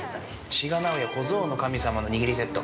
◆志賀直哉、小僧の神様の握りセット。